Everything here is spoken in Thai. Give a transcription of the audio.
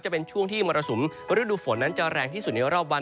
จะเป็นช่วงที่มรสุมฤดูฝนนั้นจะแรงที่สุดในรอบวัน